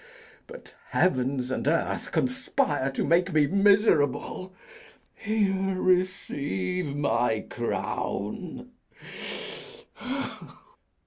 but heavens and earth conspire To make me miserable. Here, receive my crown.